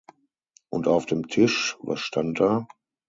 Und auf dem Tisch, was stand da?